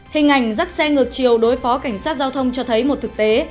hình ảnh dắt xe ngược chiều đối phó cảnh sát giao thông cho thấy một thực tế